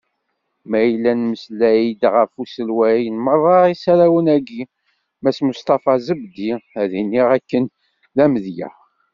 Ma yella nemmeslay-d ɣef uselway n merra isarrawen-agi, Mass Musṭafa Zebdi, ad d-iniɣ d akken d amedya.